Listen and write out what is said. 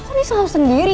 kira kira aku sendiri